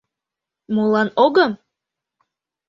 — Молан огым?